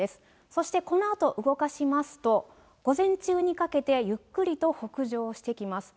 そしてこのあと動かしますと、午前中にかけて、ゆっくりと北上してきます。